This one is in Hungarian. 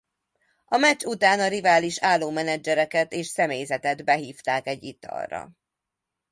A meccs után a rivális álló menedzsereket és személyzetet behívták egy italra.